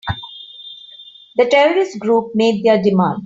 The terrorist group made their demand.